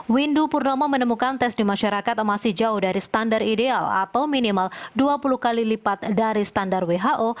windu purnomo menemukan tes di masyarakat masih jauh dari standar ideal atau minimal dua puluh kali lipat dari standar who